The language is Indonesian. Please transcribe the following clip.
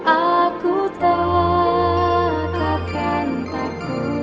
aku tak akan takut